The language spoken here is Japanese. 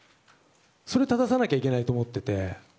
それを正さなきゃいけないと思ってて。